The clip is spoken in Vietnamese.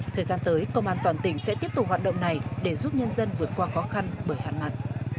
thời gian tới công an toàn tỉnh sẽ tiếp tục hoạt động này để giúp nhân dân vượt qua khó khăn bởi hạn mặn